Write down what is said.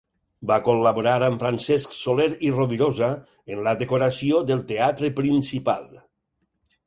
Va col·laborar amb Francesc Soler i Rovirosa en la decoració del Teatre Principal.